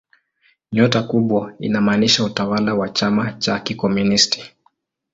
Nyota kubwa inamaanisha utawala wa chama cha kikomunisti.